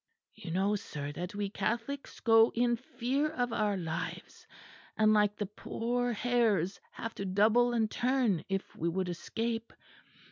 You know sir, that we Catholics go in fear of our lives, and like the poor hares have to double and turn if we would escape.